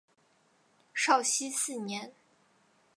绍熙四年。